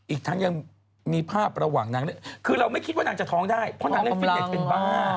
อีกทั้งยังมีภาพระหว่างนางเล่นคือเราไม่คิดว่านางจะท้องได้เพราะนางเล่นฟิตเน็ตเป็นบ้า